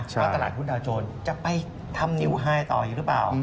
ว่าตลาดหุ้นดาวโจรจะไปทำนิวไฮต่ออีกหรือเปล่า